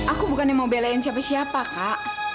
aku bukan yang mau belain siapa siapa kak